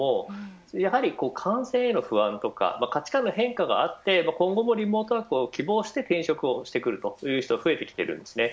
やはり感染への不安とか価値観の変化があって今後もリモートワークを希望して転職をしてくるという人が増えてきているんです。